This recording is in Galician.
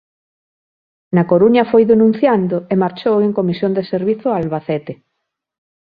Na Coruña foi denunciando e marchou en comisión de servizo a Albacete.